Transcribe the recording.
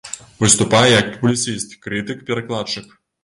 Выступае як публіцыст, крытык, перакладчык.